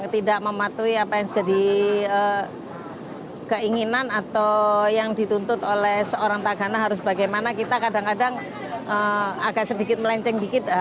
tidak mematuhi apa yang jadi keinginan atau yang dituntut oleh seorang tagana harus bagaimana kita kadang kadang agak sedikit melenceng dikit